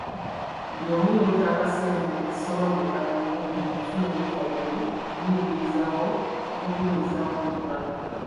Buli omu yeetaaga ssente ezisoba mu bukadde kkumi okufuna obujjanjabi n'okuyimirizaawo amaka gaabwe.